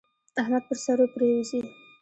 احمد پر سرو پرېوزي.